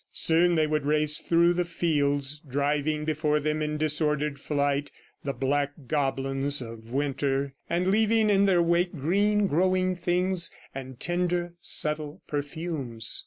Soon they would race through the fields, driving before them in disordered flight the black goblins of winter, and leaving in their wake green growing things and tender, subtle perfumes.